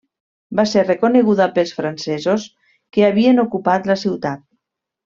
Va ser reconeguda pels francesos, que havien ocupat la ciutat.